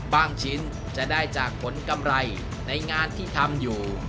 ชิ้นจะได้จากผลกำไรในงานที่ทำอยู่